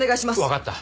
分かった。